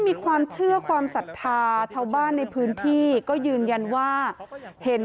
มีความเชื่อความศรัทธาชาวบ้านในพื้นที่ก็ยืนยันว่าเห็น